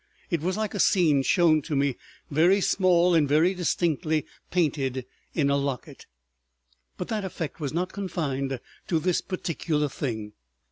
It was like a scene shown to me, very small and very distinctly painted, in a locket. But that effect was not confined to this particular thing.